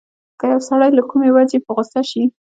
که يو سړی له کومې وجې په غوسه شي.